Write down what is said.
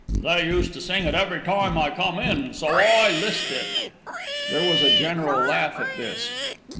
They used to sing it every time I come in, so I 'listed." There was a general laugh at this.